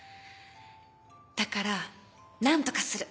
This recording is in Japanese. だから何とかする。